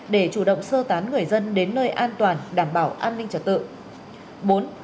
để chủ động sơ tán người dân đến nơi an toàn đảm bảo an ninh trật tự